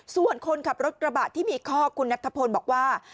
ส่วนคนขับรถกระบะที่มีข้อคุณนัทธพลบอกว่า